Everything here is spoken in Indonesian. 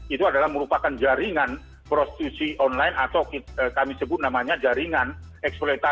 itu adalah merupakan jaringan prostitusi online atau kami sebut namanya jaringan eksploitasi